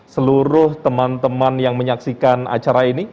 seluruh teman teman yang menyaksikan acara ini